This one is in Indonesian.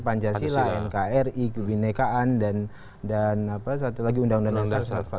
pancasila nkri kebhinekaan dan satu lagi undang undang seribu sembilan ratus empat puluh lima